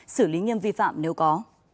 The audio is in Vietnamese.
xử lý nghiêm vi phạm nếu có